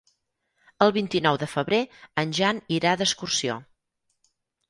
El vint-i-nou de febrer en Jan irà d'excursió.